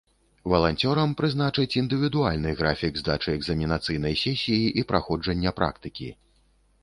Валанцёрам прызначаць індывідуальны графік здачы экзаменацыйнай сесіі і праходжання практыкі.